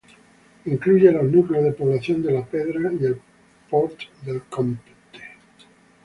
Incluye los núcleos de población de La Pedra y el Port del Compte.